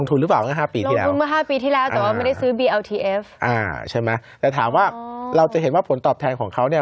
ลงทุนหรือเปล่าเมื่อ๕ปีที่แล้วอ่าใช่ไหมแต่ถามว่าเราจะเห็นว่าผลตอบแทนของเขาเนี่ย